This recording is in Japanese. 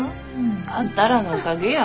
あんたらのおかげや。